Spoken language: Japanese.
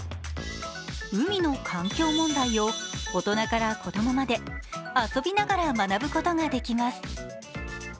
海の環境問題を大人から子どもまで遊びながら学ぶことができます。